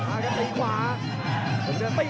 อ้ากันใส่ความศักดิ์ขวา